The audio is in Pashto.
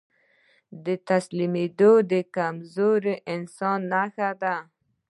تسليمېدل د کمزوري انسان نښه ده.